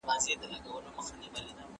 تاسو د غريبانو لاسنيوي ته چمتو اوسئ.